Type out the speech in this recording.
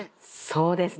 そうですね。